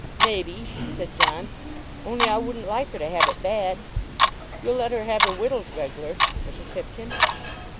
"Maybe," said John, "only I wouldn't like her to have it bad. You'll let her have her wittles regular, Mrs. Pipkin."